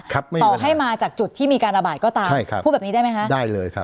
ต่อให้มาจากจุดที่มีการระบาดก็ตามใช่ครับพูดแบบนี้ได้ไหมคะได้เลยครับ